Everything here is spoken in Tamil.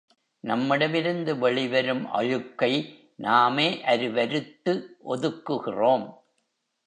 நம்மிடமிருந்து வெளிவரும் அழுக்கை நாமே அருவருத்து ஒதுக்குகிறோம்.